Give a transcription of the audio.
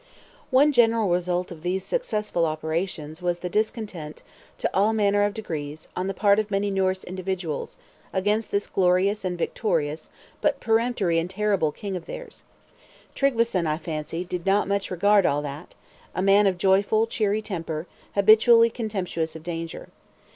One general result of these successful operations was the discontent, to all manner of degrees, on the part of many Norse individuals, against this glorious and victorious, but peremptory and terrible king of theirs. Tryggveson, I fancy, did not much regard all that; a man of joyful, cheery temper, habitually contemptuous of danger.